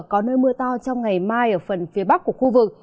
có nơi mưa to trong ngày mai ở phần phía bắc của khu vực